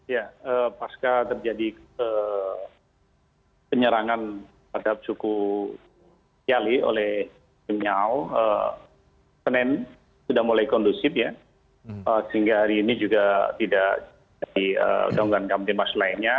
ya pasca terjadi penyerangan pada suku yali oleh timnyao senin sudah mulai kondusif ya sehingga hari ini juga tidak dianggap demas lainnya